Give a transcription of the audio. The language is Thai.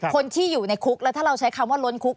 คนที่อยู่ในคุกแล้วถ้าเราใช้คำว่าล้นคุก